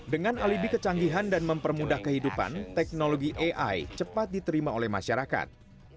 dengan alibi kecanggihan dan mempermudah kehidupan teknologi ai cepat diterima oleh masyarakat